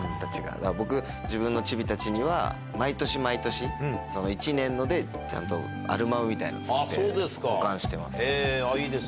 だから僕、自分のちびたちには、毎年毎年、一年ので、ちゃんとアルバムみたいなのを作って保管してます。